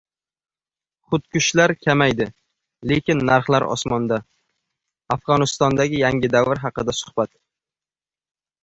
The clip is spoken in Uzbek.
“Xudkushlar kamaydi, lekin narxlar osmonda” - Afg‘onistondagi yangi davr haqida suhbat